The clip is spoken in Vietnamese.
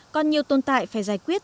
còn nhiều tồn tại phải giải quyết